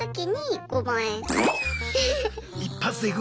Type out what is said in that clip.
一発でいく？